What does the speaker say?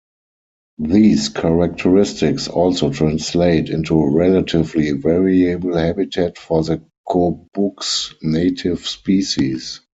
These characteristics also translate into a relatively variable habitat for the Kobuk's native species.